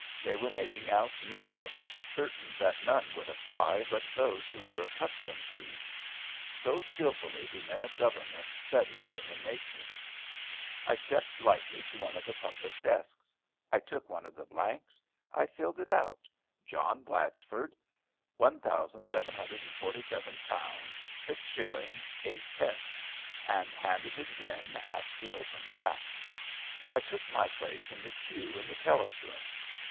They were making out new books, certain that none would apply but those who were accustomed to. So skilfully do men of Government study human nature. I stepped lightly to one of the public desks. I took one of the blanks. I filled it out, "John Blatchford, £1747 6_s._ 8_d._," and handed it in at the open trap. I took my place in the queue in the teller's room.